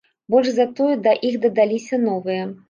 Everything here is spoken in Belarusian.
Больш за тое, да іх дадаліся новыя.